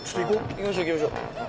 行きましょう行きましょう。